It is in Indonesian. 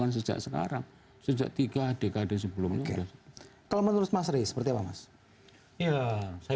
sejak sekarang sejak tiga dekade sebelumnya kalau menurut mas rey seperti apa mas ya saya